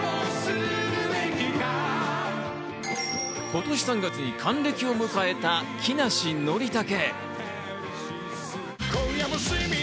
今年３月に還暦を迎えた木梨憲武。